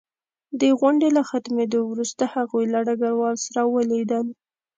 د غونډې له ختمېدو وروسته هغوی له ډګروال سره ولیدل